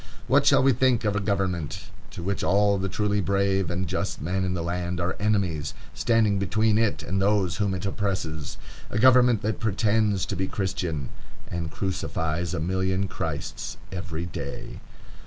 What shall we think of a government to which all the truly brave and just men in the land are enemies, standing between it and those whom it oppresses? A government that pretends to be Christian and crucifies a million Christs every day!